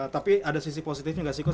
tapi ada sisi positifnya gak sih coach